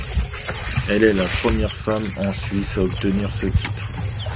Elle est la première femme en Suisse à obtenir ce titre.